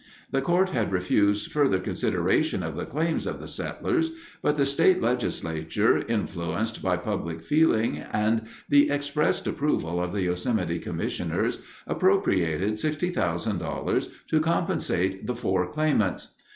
The court had refused further consideration of the claims of the settlers, but the state legislature, influenced by public feeling and the expressed approval of the Yosemite commissioners, appropriated $60,000 to compensate the four claimants.